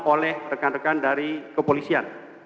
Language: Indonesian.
oleh rekan rekan dari kepolisian